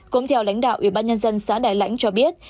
cũng theo lãnh đạo ủy ban nhân dân xã đại lãnh cho biết